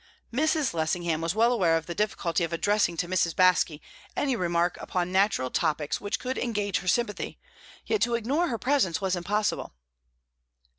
Mrs. Lessingham was well aware of the difficulty of addressing to Mrs. Baske any remark on natural topics which could engage her sympathy, yet to ignore her presence was impossible.